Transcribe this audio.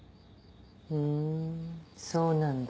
ふんそうなんだ。